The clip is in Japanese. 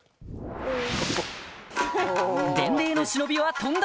伝令の忍びは飛んだ！